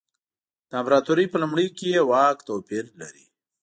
د امپراتورۍ په لومړیو کې یې واک توپیر لري.